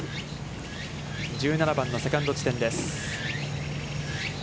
１７番のセカンド地点です。